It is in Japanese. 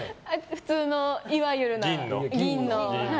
普通のいわゆる銀の。